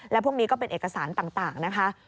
และพวกนี้ก็เป็นเอกสารต่างนะคะ